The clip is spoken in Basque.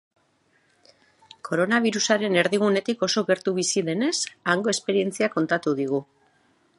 Koronabirusaren erdigunetik oso gertu bizi denez, hango esperientzia kontatu digu.